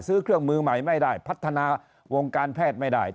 ซื้อเครื่องมือใหม่ไม่ได้พัฒนาวงการแพทย์ไม่ได้